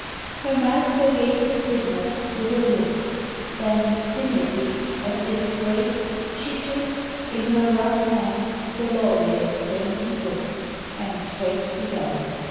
Her Master gave the signal, with a look : Then, timidly as if afraid, she took In her rough hands the Laureate's dainty book, And straight began.